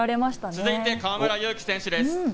続いて河村勇輝選手です。